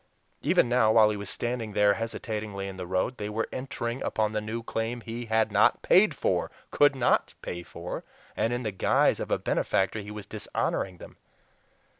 Even now, while he was standing there hesitatingly in the road, they were entering upon the new claim he had NOT PAID FOR COULD NOT PAY FOR and in the guise of a benefactor he was dishonoring them.